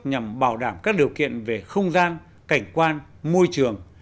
nhằm bảo đảm các điều kiện về không gian cảnh quan môi trường